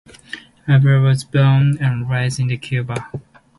Avila was born and raised in Cuba.